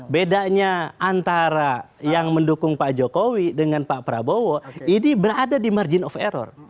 bedanya antara yang mendukung pak jokowi dengan pak prabowo ini berada di margin of error